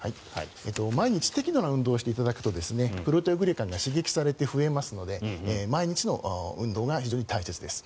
毎日適度な運動をしていただくとプロテオグリカンが刺激されて増えますので毎日の運動が非常に大切です。